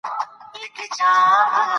د پکتیکا خلک ډېر هوسا ژوند لري.